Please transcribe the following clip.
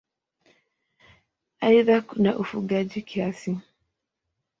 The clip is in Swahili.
Aidha kuna ufugaji kiasi.